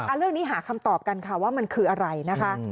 เรื่องนี้หาคำตอบกันค่ะว่ามันคืออะไรนะคะ